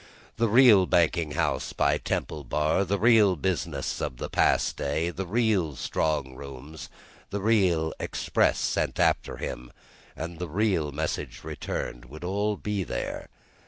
The real Banking house by Temple Bar, the real business of the past day, the real strong rooms, the real express sent after him, and the real message returned, would all be there.